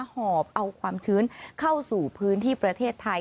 หอบเอาความชื้นเข้าสู่พื้นที่ประเทศไทย